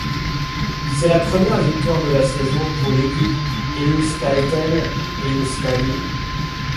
C'est la première victoire de la saison pour l'équipe Euskaltel-Euskadi.